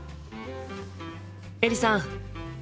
エリさん！